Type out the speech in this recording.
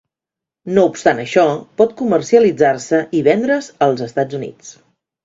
No obstant això, pot comercialitzar-se i vendre's als Estats Units.